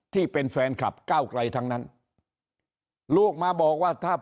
ที่เป็นแฟนคลับก้าวไกลทั้งนั้นลูกมาบอกว่าถ้า